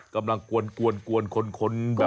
กำลังกวนคนแบบ